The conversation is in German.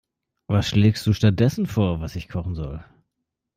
Was schlägst du stattdessen vor, was ich kochen soll?